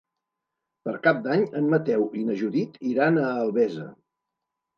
Per Cap d'Any en Mateu i na Judit iran a Albesa.